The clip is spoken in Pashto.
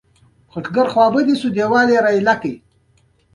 ولایتونه د افغانستان د موسم د بدلون سبب کېږي.